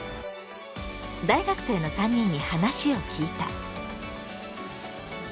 大学生の３人に話を聞いた。